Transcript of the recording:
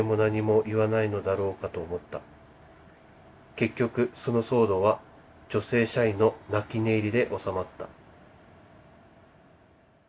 「結局その騒動は女性社員の泣き寝入りで収まった」